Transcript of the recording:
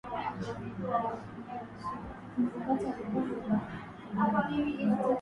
la Mkwawa ni kifupisho cha Mukwava ambalo tena ni kifupisho cha Mukwavinyika lililokuwa jina